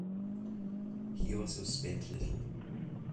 He also slept little.